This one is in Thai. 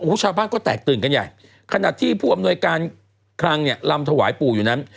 ชาวบ้านก็แตกตื่นกันใหญ่ขณะที่ผู้อำนวยการคลังเนี่ยลำถวายปู่อยู่นั้น